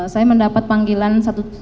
saya mendapat panggilan